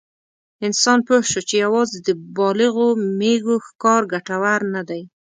انسان پوه شو چې یواځې د بالغو مېږو ښکار ګټور نه دی.